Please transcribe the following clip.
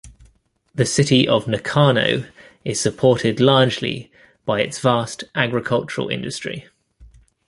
The city of Nakano is supported largely by its vast agricultural industry.